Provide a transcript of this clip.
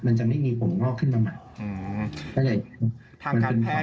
มันจะไม่มีผมงอกขึ้นมาใหม่